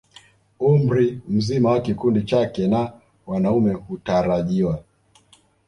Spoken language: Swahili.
Umri mzima wa kikundi chake na wanaume hutarajiwa